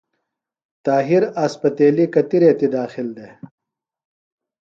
طاہر اسپتیلیۡ کتیۡ ریتیۡ داخل دےۡ؟